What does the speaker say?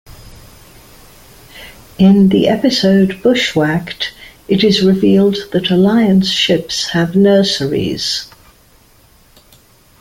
In the episode "Bushwhacked", it is revealed that Alliance ships have nurseries.